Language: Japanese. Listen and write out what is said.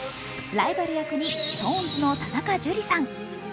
ライバル役にＳｉｘＴＯＮＥＳの田中樹さん。